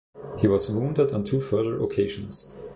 He was wounded on two further occasions.